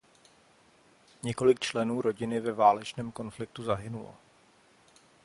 Několik členů rodiny ve válečném konfliktu zahynulo.